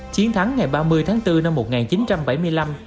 chiến thắng ngày ba mươi tháng bốn năm một nghìn chín trăm bảy mươi năm